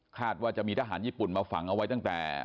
ว่าจะมีทหารญี่ปุ่นมาฝังเอาไว้ตั้งแต่